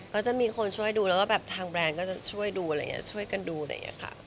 ก็จะมีคนช่วยดูแล้วก็แบบทางแบรนด์ก็จะช่วยดูอะไรอย่างนี้ช่วยกันดูอะไรอย่างนี้ค่ะ